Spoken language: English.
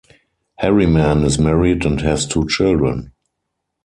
Harriman is married and has two children.